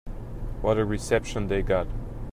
What a reception they got.